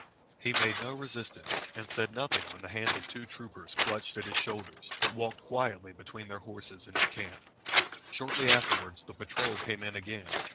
He made no resistance, and said nothing when the hands of two troopers clutched at his shoulders, but walked quietly between their horses into camp. Shortly afterwards the patrol came in again.